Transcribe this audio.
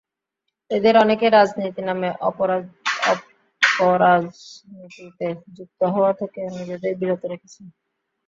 এঁদের অনেকেই রাজনীতির নামে অপরাজনীতিতে যুক্ত হওয়া থেকে নিজেদের বিরত রেখেছেন।